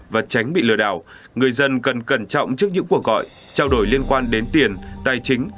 và tránh bị lừa đảo người dân cần cẩn trọng trước những cuộc gọi trao đổi liên quan đến tiền tài chính